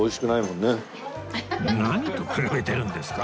何と比べてるんですか？